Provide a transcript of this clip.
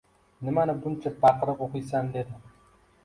Nimani buncha baqirib o’qiysan dedi.